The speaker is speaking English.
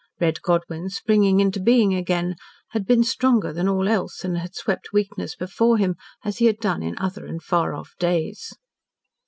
Red Godwyn springing into being again, had been stronger than all else, and had swept weakness before him as he had done in other and far off days.